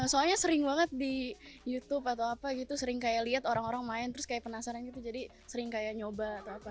soalnya sering banget di youtube atau apa gitu sering kayak lihat orang orang main terus kayak penasaran gitu jadi sering kayak nyoba atau apa